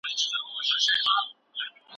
موږ له خپلو دوستانو څخه وګرځوه.